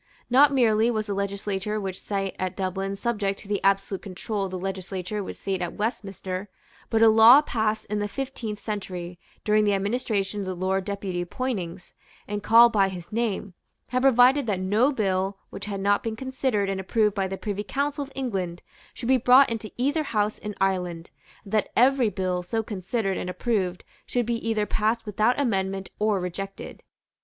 Not merely was the Legislature which sate at Dublin subject to the absolute control of the Legislature which sate at Westminster: but a law passed in the fifteenth century, during the administration of the Lord Deputy Poynings, and called by his name, had provided that no bill which had not been considered and approved by the Privy Council of England should be brought into either House in Ireland, and that every bill so considered and approved should be either passed without amendment or rejected.